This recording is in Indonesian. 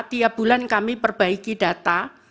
tiap bulan kami perbaiki data